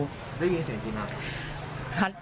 ได้ยินเสียงกี่นัด